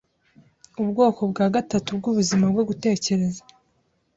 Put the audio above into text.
Ubwoko bwa gatatu bwubuzima bwo Gutekereza